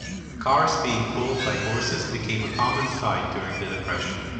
Cars being pulled by horses became a common sight during the Depression.